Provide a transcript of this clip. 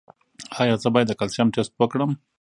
ایا زه باید د کلسیم ټسټ وکړم؟